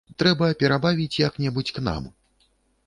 Трэба перабавіць як-небудзь к нам.